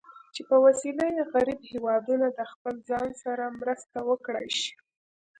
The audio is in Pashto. چې په وسیله یې غریب هېوادونه د خپل ځان سره مرسته وکړای شي.